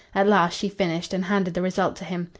At last she finished, and handed the result to him.